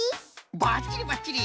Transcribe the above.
ばっちりばっちり！